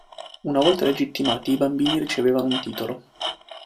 Una volta legittimati i bambini ricevevano un titolo.